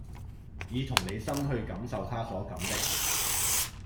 以同理心去感受他所感的